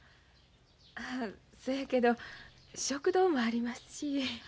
そやけど食堂もありますし。